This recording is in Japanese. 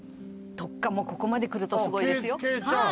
特化もここまでくるとすごいですよ